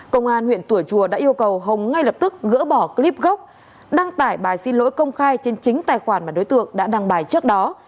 công an huyện tùa chùa đã yêu cầu hồng ngay lập tức gỡ bỏ clip gốc đăng tải bài xin lỗi công khai trên chính tài khoản mà đối tượng đã đăng bài trước đó